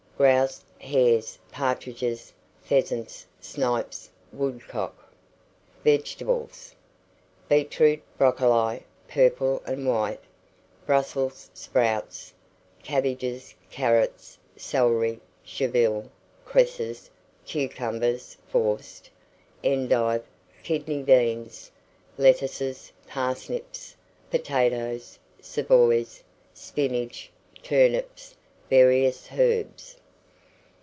Grouse, hares, partridges, pheasants, snipes, woodcock. VEGETABLES. Beetroot, broccoli (purple and white), Brussels sprouts, cabbages, carrots, celery, chervil, cresses, cucumbers (forced), endive, kidney beans, lettuces, parsnips, potatoes, savoys, spinach, turnips, various herbs.